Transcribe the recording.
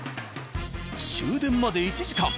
終電まで１時間。